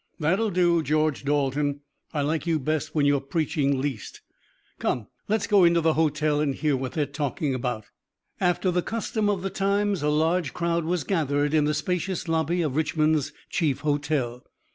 "That'll do, George Dalton. I like you best when you're preaching least. Come, let's go into the hotel and hear what they're talking about." After the custom of the times a large crowd was gathered in the spacious lobby of Richmond's chief hotel.